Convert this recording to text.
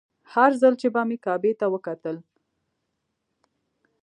هر ځل چې به مې کعبې ته وکتل.